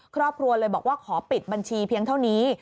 ครอบครัวเลยบอกว่าขอปิดบัญชีเพียงเท่านี้